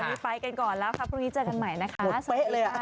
วันนี้ไปกันก่อนแล้วครับพรุ่งนี้เจอกันใหม่นะคะ